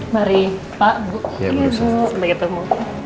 mari pak bu